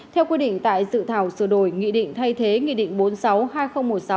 theo quy định tại dự thảo sửa đổi nghị định thay thế nghị định bốn mươi sáu hai nghìn một mươi sáu